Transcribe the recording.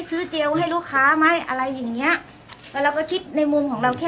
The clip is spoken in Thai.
เจียวให้ลูกค้าไหมอะไรอย่างเงี้ยแล้วเราก็คิดในมุมของเราแค่